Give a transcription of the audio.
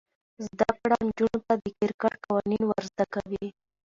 زده کړه نجونو ته د کرکټ قوانین ور زده کوي.